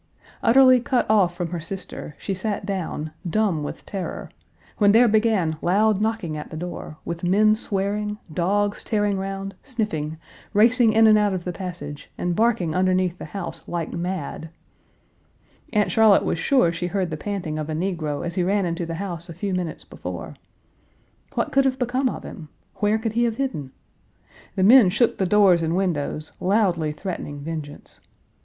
Utterly cut off from her sister, she sat down, dumb with terror, when there began loud knocking at the door, with men swearing, dogs tearing round, sniffing, racing in and out of the passage and barking underneath the house like mad. Aunt Charlotte was sure she heard the panting of a negro as he ran into the house a few minutes before. What could have become of him? Where could he have hidden? The men shook the doors and windows, loudly threatening vengeance.